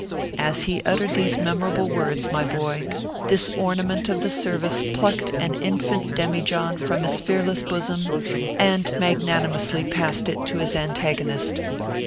As he uttered these memorable words, my boy, this ornament of the service plucked an infant demijohn from his fearless bosom and magnanimously passed it to his antagonist.